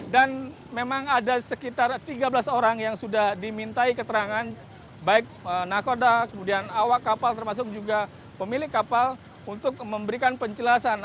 dan memang ada sekitar tiga belas orang yang sudah dimintai keterangan baik nakoda awal kapal termasuk juga pemilik kapal untuk memberikan penjelasan